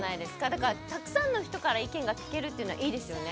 だからたくさんの人から意見が聞けるっていうのはいいですよね。